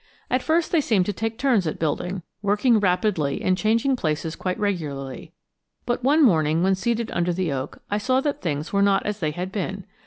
At first they seemed to take turns at building, working rapidly and changing places quite regularly; but one morning when seated under the oak I saw that things were not as they had been.